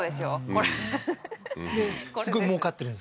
これですごいもうかってるんですね